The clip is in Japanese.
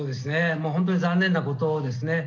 もう本当に残念なことですね。